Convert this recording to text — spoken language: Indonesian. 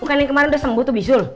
bukan yang kemarin udah sembuh tuh bisul